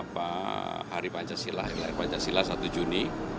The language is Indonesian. pertama pancasila satu juni